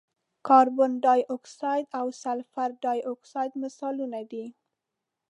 کاربن ډای اکسایډ او سلفر ډای اکساید مثالونه دي.